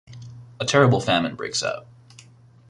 A terrible famine breaks out.